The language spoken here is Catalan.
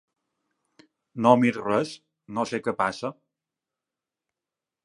No miro res, no sé què passa.